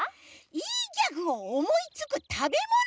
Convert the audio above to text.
いいギャグをおもいつくたべもの？